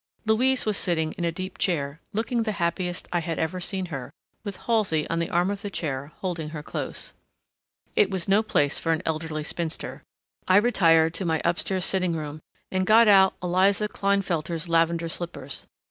Louise was sitting in a deep chair, looking the happiest I had ever seen her, with Halsey on the arm of the chair, holding her close. It was no place for an elderly spinster. I retired to my upstairs sitting room and got out Eliza Klinefelter's lavender slippers.